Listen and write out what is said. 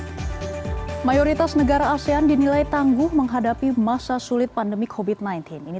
hai mayoritas negara asean dinilai tangguh menghadapi masa sulit pandemi kubit sembilan belas ini